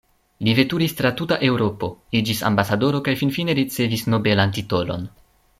Li veturis tra tuta Eŭropo, iĝis ambasadoro kaj finfine ricevis nobelan titolon.